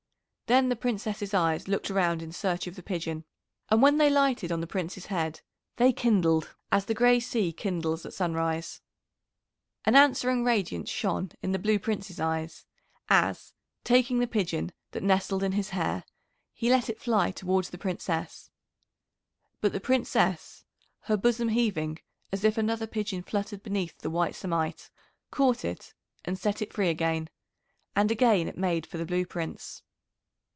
Then the Princess's eyes looked around in search of the pigeon, and when they lighted on the Prince's head they kindled as the grey sea kindles at sunrise. An answering radiance shone in the Blue Prince's eyes, as, taking the pigeon that nestled in his hair, he let it fly towards the Princess. But the Princess, her bosom heaving as if another pigeon fluttered beneath the white samite, caught it and set it free again, and again it made for the Blue Prince.